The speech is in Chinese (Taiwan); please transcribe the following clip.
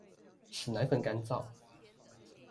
使奶粉乾燥